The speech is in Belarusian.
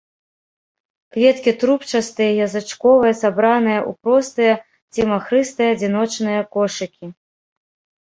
Кветкі трубчастыя і язычковыя, сабраныя ў простыя ці махрыстыя адзіночныя кошыкі.